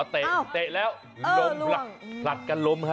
เตะแล้วล้มล่ะหลัดกันล้มค่ะ